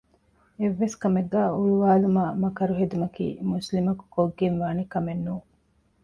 އެއްވެސްކަމެއްގައި އޮޅުވައިލުމާއި މަކަރުހެދުމަކީ މުސްލިމަކު ކޮށްގެންވާނެކަމެއްނޫން